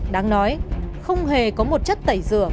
đáng nói không hề có một chất tẩy rửa